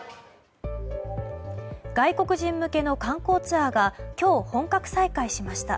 外国人向けの観光ツアーが今日、本格再開しました。